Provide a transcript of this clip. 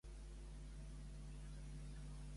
S'ha proposat una llei electoral per a Catalunya.